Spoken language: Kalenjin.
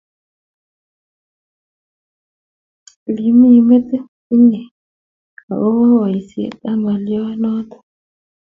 Iimi metit nyi akoba boishet ab ngoliot noto